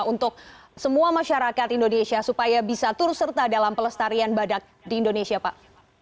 untuk semua masyarakat indonesia supaya bisa turut serta dalam pelestarian badak di indonesia pak